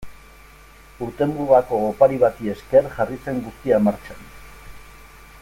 Urtemugako opari bati esker jarri zen guztia martxan.